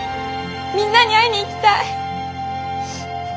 みんなに会いに行きたい！